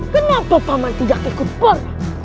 kenapa papa man tidak ikut bob